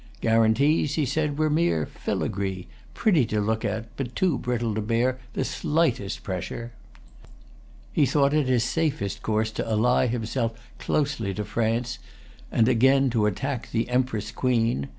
Guarantees, he said, were mere filigree, pretty to look at, but too brittle to bear the slightest pressure. He thought it his safest course to ally himself closely to France, and again to attack the Empress Queen.